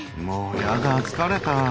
もうヤダ疲れた。